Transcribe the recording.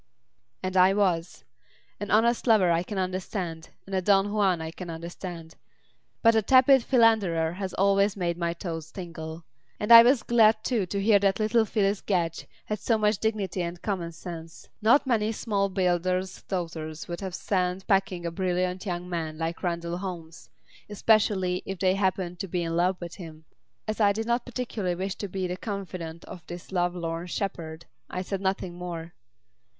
And I was. An honest lover I can understand, and a Don Juan I can understand. But the tepid philanderer has always made my toes tingle. And I was glad, too, to hear that little Phyllis Gedge had so much dignity and commonsense. Not many small builders' daughters would have sent packing a brilliant young gentleman like Randall Holmes, especially if they happened to be in love with him. As I did not particularly wish to be the confidant of this love lorn shepherd, I said nothing more.